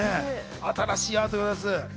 新しいアートでございます。